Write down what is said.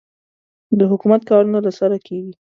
د حکومت کارونه له سره کېږي.